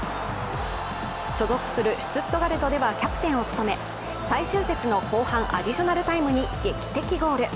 所属するシュツットガルトではキャプテンを務め最終節の後半アディショナルタイムに劇的ゴール。